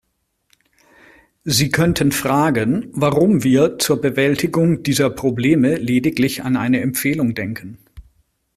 Sie könnten fragen, warum wir zur Bewältigung dieser Probleme lediglich an eine Empfehlung denken.